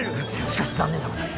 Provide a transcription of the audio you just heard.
しかし残念なことに。